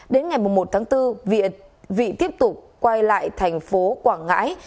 đến ngày một tháng bốn vị tiếp tục quay lại tp quảng ngãi